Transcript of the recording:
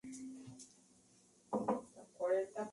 No es el caso.